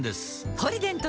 「ポリデント」